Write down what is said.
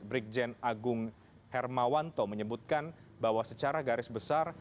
brigjen agung hermawanto menyebutkan bahwa secara garis besar